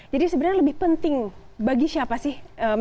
jadi sebenarnya lebih penting bagi siapa sih